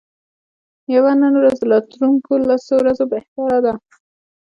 یوه نن ورځ د راتلونکو لسو ورځو بهتره ده.